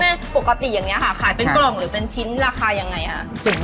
ปกติอย่างนี้ค่ะขายเป็นกล่องหรือเป็นชิ้นราคายังไงคะ